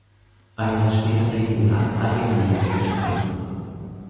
Ein Jahr später fingen sie an eigene Lieder zu schreiben.